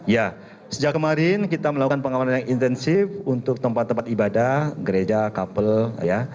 ya sejak kemarin kita melakukan pengamanan yang intensif untuk tempat tempat ibadah gereja kapel ya